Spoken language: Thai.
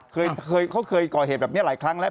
เคยเขาเคยก่อเหตุแบบนี้หลายครั้งแล้ว